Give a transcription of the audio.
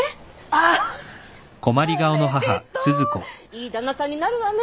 いい旦那さんになるわね。